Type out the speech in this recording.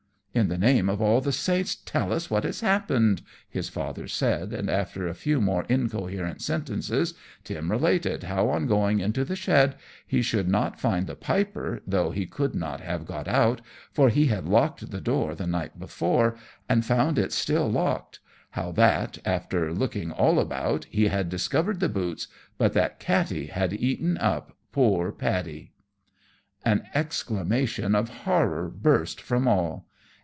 "In the name of all the saints tell us what has happened!" his Father said; and after a few more incoherent sentences, Tim related how on going into the shed he could not find the Piper, though he could not have got out, for he had locked the door the night before, and found it still locked; how that, after looking all about, he had discovered the boots, but that Katty had eaten up poor Paddy. [Illustration: Tim's Dismay at Katty's Cannibalism.] An exclamation of horror burst from all.